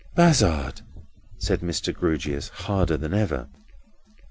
"Bazzard!" said Mr. Grewgious, harder than ever.